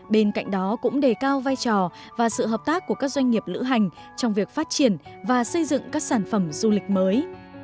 bên cạnh đó cũng đề cao vai trò và sự hợp tác của các doanh nghiệp lữ hành trong việc phát triển và xây dựng các sản phẩm du lịch mới